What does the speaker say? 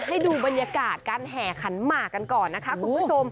ให้ดูบรรยากาศการแห่ขันหมากกันก่อนนะคะคุณผู้ชม